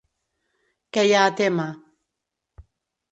Què hi ha a témer?